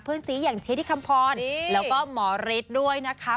พื้นศรีอย่างเชธิคัมพรแล้วก็หมอฤทธิ์ด้วยนะครับ